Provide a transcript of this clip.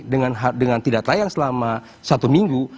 dengan tidak tayang selama satu minggu